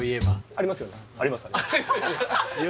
ありますあります